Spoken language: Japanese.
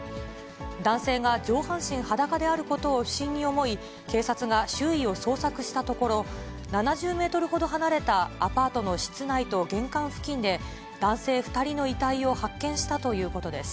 男性が上半身裸であることを不審に思い、警察が周囲を捜索したところ、７０メートルほど離れたアパートの室内と玄関付近で、男性２人の遺体を発見したということです。